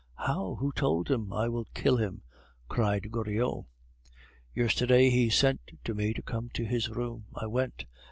"How? Who told him? I will kill him," cried Goriot. "Yesterday he sent to tell me to come to his room. I went.